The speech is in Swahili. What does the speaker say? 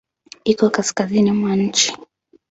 Iko kaskazini mwa nchi.